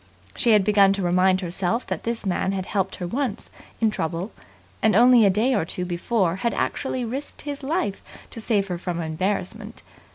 She had begun to remind herself that this man had helped her once in trouble, and only a day or two before had actually risked his life to save her from embarrassment.